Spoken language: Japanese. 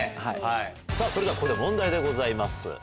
さあ、それではここで問題でございます。